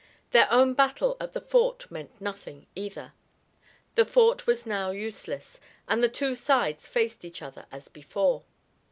Their own battle at the fort meant nothing, either. The fort was now useless, and the two sides faced each other as before.